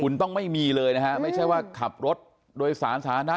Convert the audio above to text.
คุณต้องไม่มีเลยนะฮะไม่ใช่ว่าขับรถโดยสารสาธารณะ